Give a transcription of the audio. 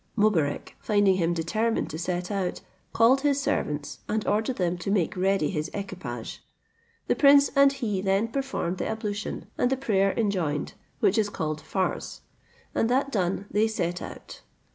Mobarec, finding him determined to set out, called his servants, and ordered them to make ready his equipage. The prince and he then performed the ablution, and the prayer enjoined, which is called Farz; and that done, they set out.